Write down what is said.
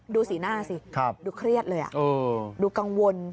ดูสีหน้าสิครับดูเครียดเลยอ่ะโอ้ดูกังวล